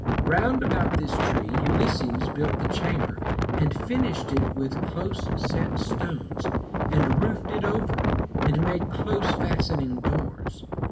Round about this tree Ulysses built the chamber, and finished it with close set stones, and roofed it over, and made close fastening doors.